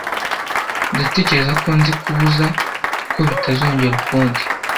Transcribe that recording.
Ndatekereza ko nzi kubuza ko bitazongera ukundi.